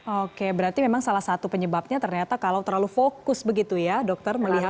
oke berarti memang salah satu penyebabnya ternyata kalau terlalu fokus begitu ya dokter melihat